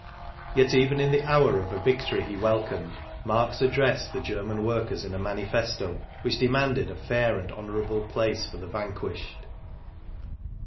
Yet even in the hour of a victory he welcomed, Marx addressed the German workers in a manifesto which demanded a fair and honourable place for the vanquished.